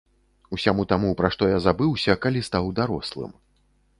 Усяму таму, пра што я забыўся, калі стаў дарослым.